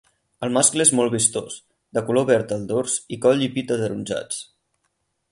El mascle és molt vistós, de color verd al dors i coll i pit ataronjats.